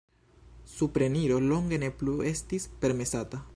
Supreniro longe ne plu estis permesata.